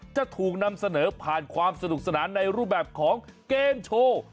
จะถูกนำเสนอผ่านความสนุกสนานในรูปแบบของเกมโชว์